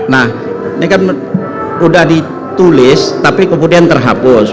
nah ini kan sudah ditulis tapi kemudian terhapus